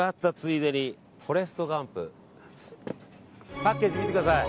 パッケージ見てください。